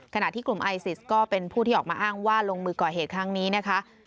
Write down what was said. ขณะที่กลุ่มไอซิสก็เป็นผู้ที่ออกมาอ้างว่าลงมือก่อเหตุครั้งนี้นะคะ